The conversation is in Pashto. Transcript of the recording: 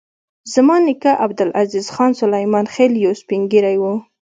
زما نیکه عبدالعزیز خان سلیمان خېل یو سپین ږیری و.